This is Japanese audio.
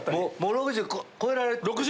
６０超えられた？